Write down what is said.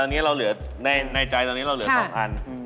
พี่เอกในใจเราเหลือ๒อัน